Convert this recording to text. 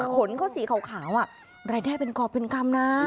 ขนเขาสีขาวรายได้เป็นกรอบเป็นกรรมนะ